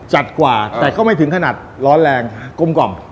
จัดกว่าแต่ก็ไม่ถึงขนาดร้อนแรงกลมกล่อม